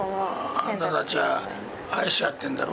あんたたちは愛し合ってんだろ？